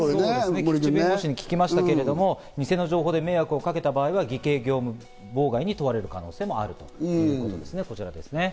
菊地弁護士に聞きましたけど偽の情報で迷惑をかけた場合は、偽計業務妨害に問われる可能性があるということです。